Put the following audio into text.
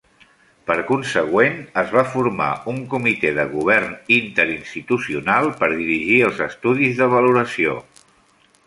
Per consegüent, es va formar un comitè de govern interinstitucional per dirigir els estudis de valoració.